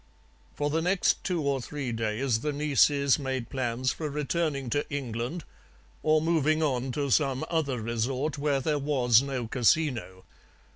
"For the next two or three days the nieces made plans for returning to England or moving on to some other resort where there was no casino.